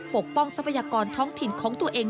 ปกป้องทรัพยากรท้องถิ่นของตัวเอง